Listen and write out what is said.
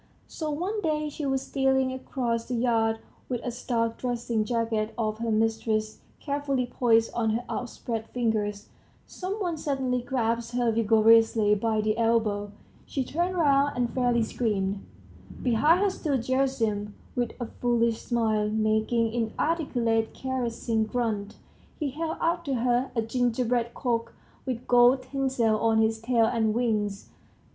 So one day she was stealing across the yard, with a starched dressing jacket of her mistress's carefully poised on her outspread fingers ... some one suddenly grasped her vigorously by the elbow; she turned round and fairly screamed; behind her stood Gerasim. With a foolish smile, making inarticulate caressing grunts, he held out to her a gingerbread cock with gold tinsel on his tail and wings.